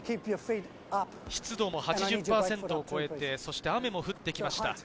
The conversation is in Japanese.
湿度も８０％を超えて、そして雨も降ってきました。